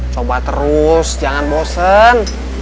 coba terus jangan bosen